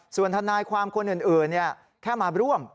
ส่วนทนายความคนอื่นแค่มาร่วม